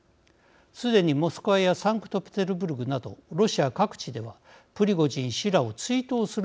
すでにモスクワやサンクトペテルブルクなどロシア各地ではプリゴジン氏らを追悼する動きが広がっています。